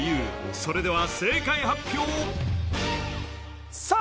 それでは正解発表さあ